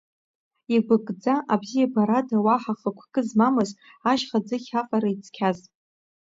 Игәкӡа, абзиабарада уаҳа хықәкы змамыз, ашьха ӡыхь аҟара ицқьаз!